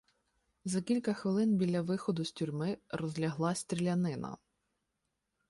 За кілька хвилин біля виходу з тюрми розляглася стрілянина.